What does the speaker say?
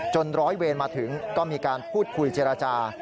ร้อยเวรมาถึงก็มีการพูดคุยเจรจา